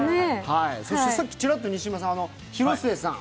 そしてさっきちらっと西島さん、広末さん